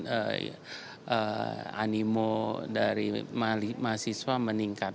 jadi animo dari mahasiswa meningkat